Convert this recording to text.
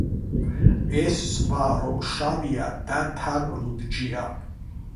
ეს ზღვა რომ შავია და თან ლურჯია